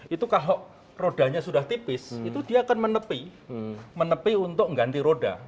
itu kalau rodanya sudah tipis itu dia akan menepi untuk mengganti roda